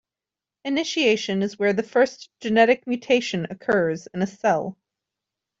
Initiation is where the first genetic mutation occurs in a cell.